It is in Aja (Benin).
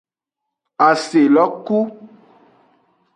Aselo ku.